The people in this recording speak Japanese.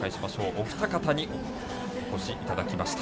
お二方にお越しいただきました。